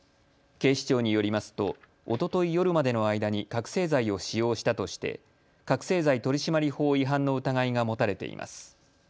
警視庁によりますとおととい夜までの間に覚醒剤を使用したとして覚醒剤取締法違反の疑いが持たれています。